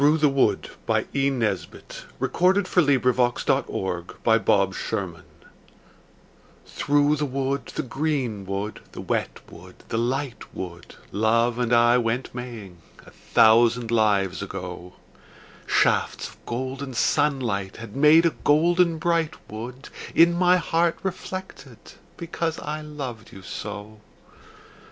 You sowed the seed, but let the blossom die. ROSEMARY 51 THROUGH THE WOOD THKOUGH the wood, the green wood, the wet wood, the light wood, Love and I went maying a thousand lives ago ; Shafts of golden sunlight had made a golden bright wood In my heart reflected, because I loved you so.